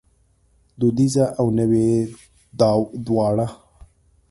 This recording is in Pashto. دودیزه او نوې دواړه